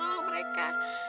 untuk nolong mereka